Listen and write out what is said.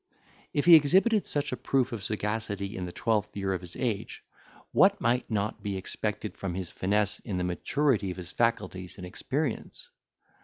If he exhibited such a proof of sagacity in the twelfth year of his age, what might not be expected from his finesse in the maturity of his faculties and experience?